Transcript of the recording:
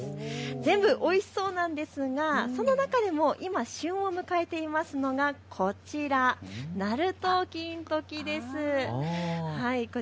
全部おいしそうなんですがその中でも今、旬を迎えていますのがこちら、ナルトキントキです。